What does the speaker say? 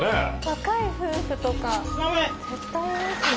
若い夫婦とか絶対いますよ。